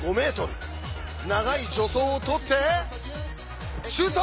長い助走をとってシュート！